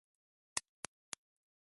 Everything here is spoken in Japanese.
ちょっと待って。なんかそれ、違う気がするわ。